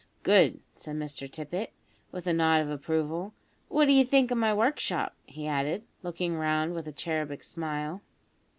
"Good," said Mr Tippet, with a nod of approval. "What d'ye think of my workshop?" he added, looking round with a cherubic smile.